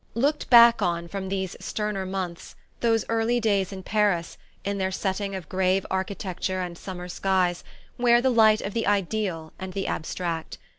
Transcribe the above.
Looked back on from these sterner months those early days in Paris, in their setting of grave architecture and summer skies, wear the light of the ideal and the abstract.